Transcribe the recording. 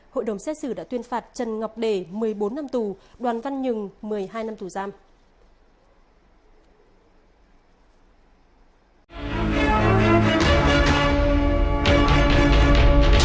hội đồng xét xử đã tuyên phạt trần ngọc đề một mươi bốn năm tù đoàn văn nhừng một mươi hai năm tù giam